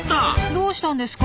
どうしたんですか？